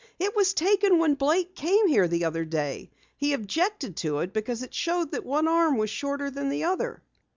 "It was taken when Blake came here the other day. He objected to it because it showed that one arm was shorter than the other."